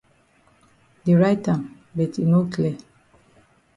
Dey write am but e no clear.